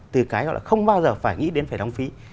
từ cái không bao giờ phải nghĩ đến phải đóng phí